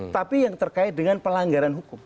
tapi yang terkait dengan pelanggaran hukum